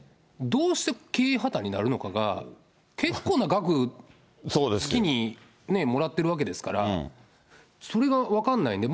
どうして経営破綻になるのかが、結構な額、月にもらってるわけですから、それが分かんないんで。